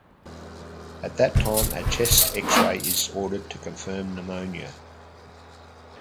At that time, a chest x-ray is ordered to confirm pneumonia.